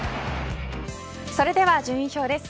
それでは順位表です。